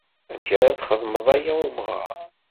Amek ara as-txedmeḍ aya i umɣar?